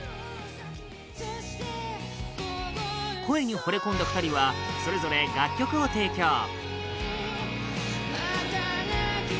声にほれ込んだ２人はそれぞれ、楽曲を提供